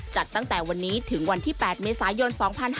จัดตั้งแต่วันนี้ถึงวันที่๘เมษายน๒๕๕๙